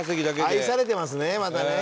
愛されてますねまたね。